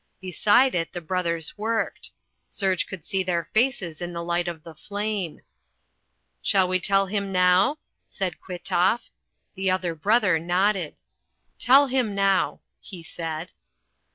Beside it the brothers worked. Serge could see their faces in the light of the flame. "Shall we tell him now?" said Kwitoff. The other brother nodded. "Tell him now," he said.